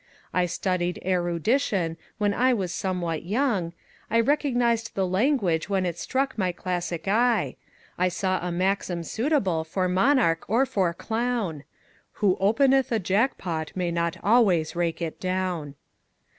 I studied erudition When I was somewhat young; I recognized the language when it struck my classic eye; I saw a maxim suitable for monarch or for clown: "Who openeth a jackpot may not always rake it down."